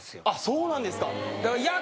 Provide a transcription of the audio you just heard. そうなんですか。